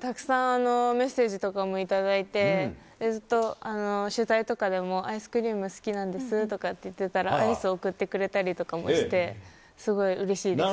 たくさんメッセージとかも頂いて、ずっと取材とかでもアイスクリーム好きなんですとかって言ってたら、アイスを送ってくれたりとかもしてすごいうれしいです。